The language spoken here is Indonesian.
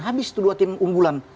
habis itu dua tim unggulan